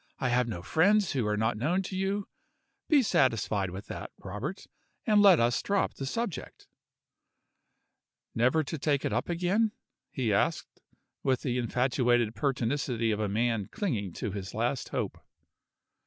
I have no friends who are not known to you. Be satisfied with that, Robert and let us drop the subject." "Never to take it up again?" he asked, with the infatuated pertinacity of a man clinging to his last hope.